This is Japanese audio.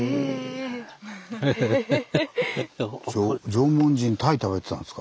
縄文人タイ食べてたんですか。